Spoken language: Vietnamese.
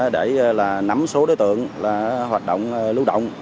để nắm số đối tượng hoạt động lưu động